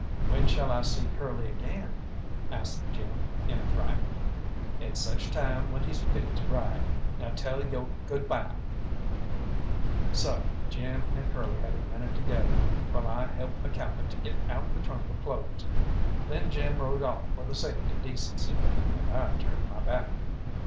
"When shall I see Curly again?" asks Jim in a fright. "At such time when he's fit to ride. Now tell yo' good bye." So Jim and Curly had a minute together while I helped McCalmont to get out the trunk of clothes. Then Jim rode off for the sake of decency, and I turned my back.